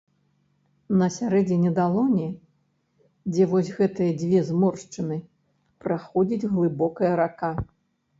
На сярэдзіне далоні, дзе вось гэтыя дзве зморшчыны, праходзіць глыбокая рака.